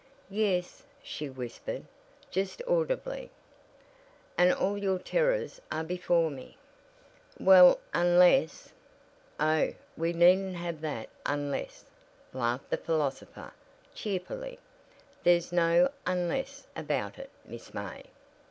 "Yes," she whispered, just audibly. "And all your terrors are before me." "Well, unless " "Oh, we needn't have that 'unless,'" laughed the philosopher, cheerfully. "There's no 'unless' about it, Miss May."